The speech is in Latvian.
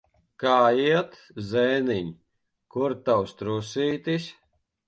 Kā iet, zēniņ? Kur tavs trusītis?